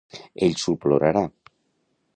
Ell s'ho plorarà.